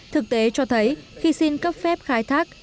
thực tế cho thấy khi xin cấp phép khai thác